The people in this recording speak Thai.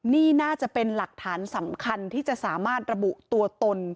นี่น่าจะเป็นหลักฐานสำคัญที่จะสามารถระบุตัวตน